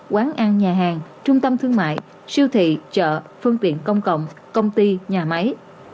quán ăn nhà hàng trung tâm thương mại siêu thị chợ phương tiện công cộng công ty nhà máy